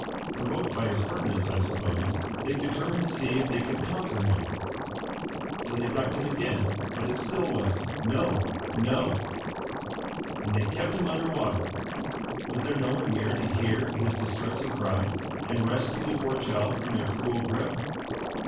Provoked by his firmness, I suppose, they determined to see if they could conquer him. So they ducked him again but it still was, "No, no"; and they kept him under water. Was there no one near to hear his distressing cries, and rescue the poor child from their cruel grip?